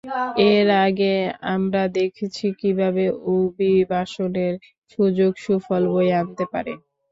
এর আগে আমরা দেখেছি কীভাবে অভিবাসনের সুযোগ সুফল বয়ে আনতে পারে।